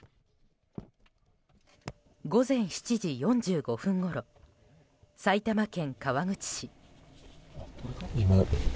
午前７時４５分ごろ埼玉県川口市。